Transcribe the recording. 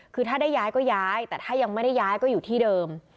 คือถ้าได้ย้ายก็ย้ายแต่ถ้ายังไม่ได้ย้ายก็อยู่ที่เดิม